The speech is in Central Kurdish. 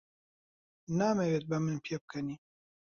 نامەوێت بە من پێبکەنی.